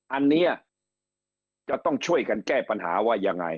อันนี้จะต้องช่วยกันแก้ปัญหาว่ายังไง